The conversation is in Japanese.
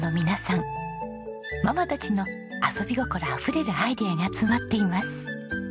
ママたちの遊び心あふれるアイデアが詰まっています。